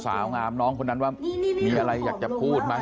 สาวงามน้องคนนั้นว่ามีอะไรอยากจะพูดไหม